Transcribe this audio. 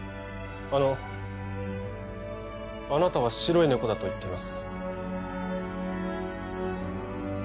あのあなたは白いねこだと言ってます